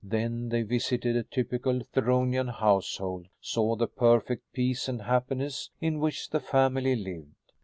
Then they visited a typical Theronian household, saw the perfect peace and happiness in which the family lived.